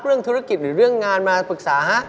เรื่องธุรกิจหรือเรื่องงานมาปรึกษาฮะ